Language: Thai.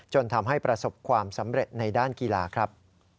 จนทำให้ประสบความสำเร็จในด้านกีฬาครับ